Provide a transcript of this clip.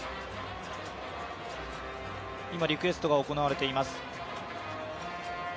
今、リクエストが行われています。